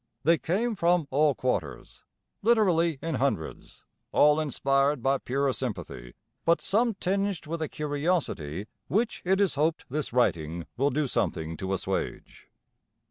They came from all quarters, literally in hundreds, all inspired by pure sympathy, but some tinged with a curiosity which it is hoped this writing will do something to assuage.